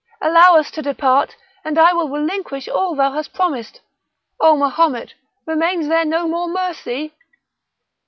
Allow us to depart, and I will relinquish all thou hast promised. O Mahomet! remains there no more mercy?"